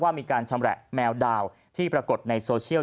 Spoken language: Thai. มีการชำแหละแมวดาวที่ปรากฏในโซเชียล